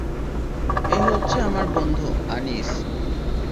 এই হচ্ছে আমার বন্ধু, আনইস।